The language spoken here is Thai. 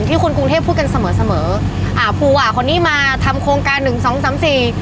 คนกรุงเทพพูดกันเสมอเสมออ่าภูว่าคนนี้มาทำโครงการหนึ่งสองสามสี่